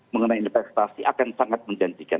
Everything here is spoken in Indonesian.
mengenai investasi akan sangat menjanjikan